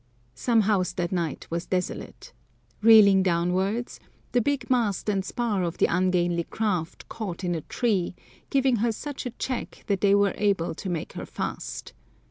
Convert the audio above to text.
Some house that night was desolate. Reeling downwards, the big mast and spar of the ungainly craft caught in a tree, giving her such a check that they were able to make her fast.